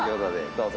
どうぞ